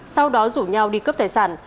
sau đó rủ nhau đi cướp tài sản